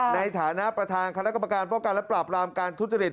ในฐานะประธานคณะกรรมการป้องกันและปราบรามการทุจริต